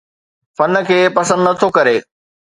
فن کي پسند نٿو ڪري